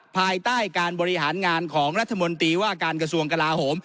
ภายใต้การบริหารงานของรัฐมนตรีว่าการกระทรวงกลาโหม